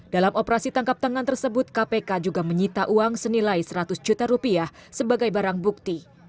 dalam operasi tangkap tangan tersebut kpk juga menyita uang senilai seratus juta rupiah sebagai barang bukti